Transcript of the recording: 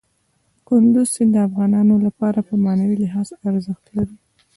کندز سیند د افغانانو لپاره په معنوي لحاظ ارزښت لري.